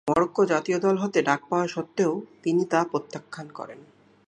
Morocco জাতীয় দল হতে ডাক পাওয়া সত্ত্বেও তিনি তা প্রত্যাখ্যান করেন।